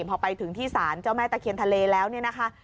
พอไปถึงที่ศาลเจ้าแม่ตะเคียนทะเลแล้วเนี่ยนะคะ